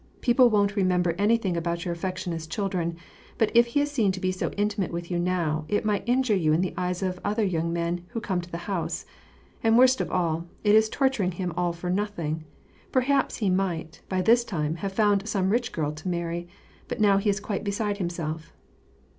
People won't remember anything about your affection as children, but if he is seen to be so intimate with you now, it might injure you in the eyes of other young men who come to the house ; and worst of all, it is torturing him all for nothing, l^erhaps he might, by this time, have found some rich girl to marry, but now he is quite beside himself."